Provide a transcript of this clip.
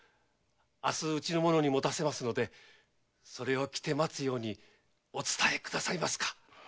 明日うちの者に持たせますのでそれを着て待つようにお伝えくださいますか？